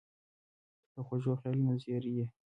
• ته د خوږو خیالونو زېری یې.